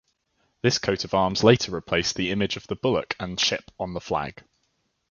This coat-of-arms later replaced the image of the bullock and ship on the flag.